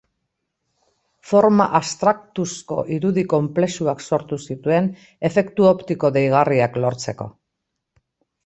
Forma abstraktuzko irudi konplexuak sortu zituen, efektu optiko deigarriak lortzeko.